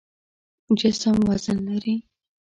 جسم وزن لري.